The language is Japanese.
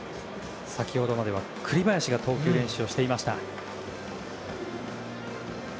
先ほどまでは栗林が投球練習をしていました。